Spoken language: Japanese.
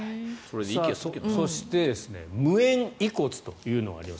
そして無縁遺骨というのがあります。